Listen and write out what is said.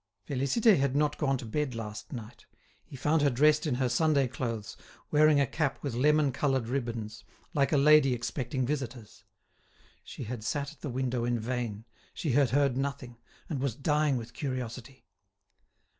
Félicité had not gone to bed last night. He found her dressed in her Sunday clothes, wearing a cap with lemon coloured ribbons, like a lady expecting visitors. She had sat at the window in vain; she had heard nothing, and was dying with curiosity.